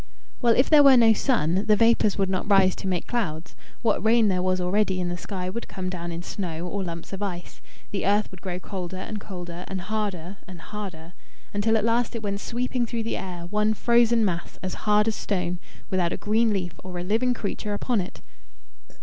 "Well, if there were no sun, the vapours would not rise to make clouds. What rain there was already in the sky would come down in snow or lumps of ice. The earth would grow colder and colder, and harder and harder, until at last it went sweeping through the air, one frozen mass, as hard as stone, without a green leaf or a living creature upon it."